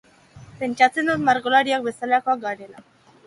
Pentsatzen dut margolariak bezalakoak garela.